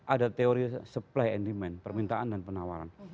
ada teori supply and demand permintaan dan penawaran